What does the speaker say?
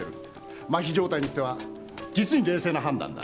麻痺状態にしては実に冷静な判断だ。